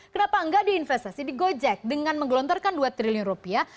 kenapa enggak diinvestasi di gojek dengan menggelontorkan dua triliun rupiah